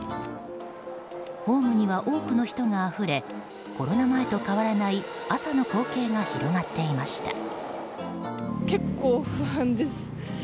ホームには多くの人があふれコロナ前と変わらない朝の光景が広がっていました。